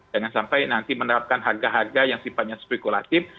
jangan sampai nanti menerapkan harga harga yang sifatnya spekulatif